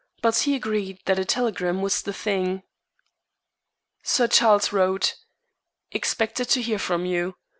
But he agreed that a telegram was the thing. Sir Charles wrote: "Expected to hear from you.